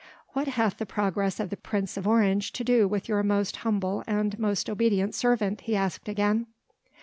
"What hath the progress of the Prince of Orange to do with your most humble and most obedient servant?" he asked again.